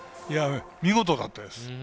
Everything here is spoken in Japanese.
見事だったです。